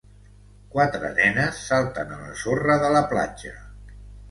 Quatre nenes salten a la sorra de la platja.